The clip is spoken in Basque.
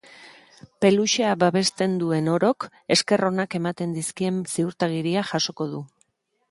Peluxea babesten duen orok esker onak ematen dizkien ziurtagiria jasoko du.